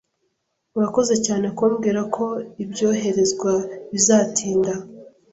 Urakoze cyane kumbwira ko ibyoherezwa bizatinda.